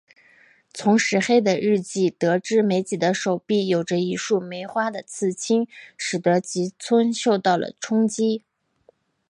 从石黑的日记得知美几的手臂有着一束梅花的刺青使得吉村受到了冲击。